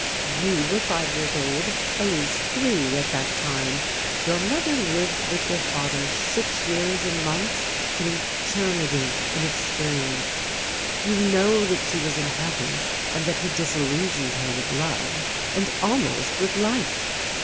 You were five years old, Elise three, at that time. Your mother lived with your father six years in months, an eternity in experience. You know that she was unhappy, and that he disillusioned her with love, and almost with life.